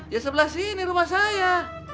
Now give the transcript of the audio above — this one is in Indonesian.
ya sebelah sini rumah saya